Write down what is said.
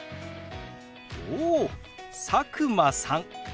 おお佐久間さんですね。